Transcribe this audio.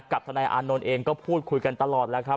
กับทะนายอาร์นินเองก็พูดคุยกันตลอดเลยครับ